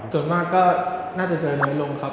ส่วนมากก็น่าจะเจอน้อยลงครับ